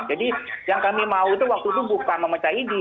jadi yang kami mau itu waktu itu bukan memecah id